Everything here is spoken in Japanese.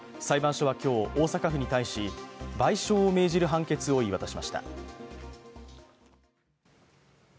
裁判所は今日、大阪府に対し賠償を命じる判決を言い渡しました。